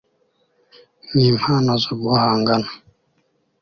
Nimpano zo guhangana